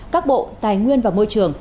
các bộ tài nguyên và môi trường